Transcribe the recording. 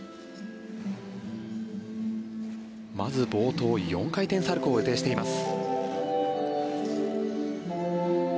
まず冒頭、４回転サルコウを予定しています。